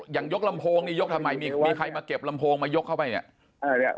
ยกลำโพงนี่ยกทำไมมีใครมาเก็บลำโพงมายกเข้าไปเนี่ย